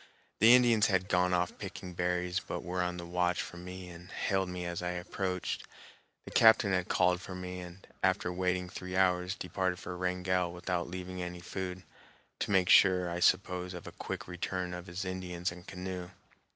The Indians had gone off picking berries, but were on the watch for me and hailed me as I approached. The captain had called for me, and, after waiting three hours, departed for Wrangell without leaving any food, to make sure, I suppose, of a quick return of his Indians and canoe.